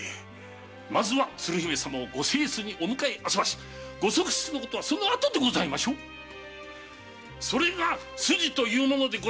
まずは鶴姫様をご正室にお迎えあそばしご側室のことはその後でございましょう⁉それが筋というものでござりましょうが。